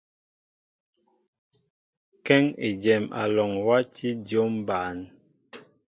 Kéŋ éjem alɔŋ wati dyȏm ɓăn.